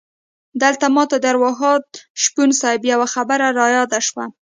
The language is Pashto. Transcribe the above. دلته ماته د ارواښاد شپون صیب یوه خبره رایاده شوه.